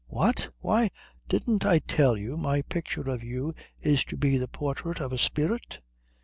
"What? Why didn't I tell you my picture of you is to be the portrait of a spirit?"